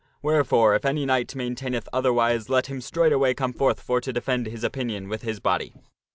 Wherefore, if any knight maintaineth other wise, let him straightway come forth for to defend his opinion with his body."